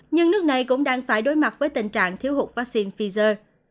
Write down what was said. nhưng nước này cũng đang phải đối mặt với tình trạng thiếu hụt vaccine pfizer